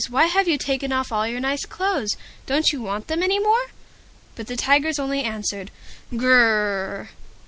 why have you taken off all your nice clothes? Don't you want them any more?" But the Tigers only answered, "Gr r rrrr!"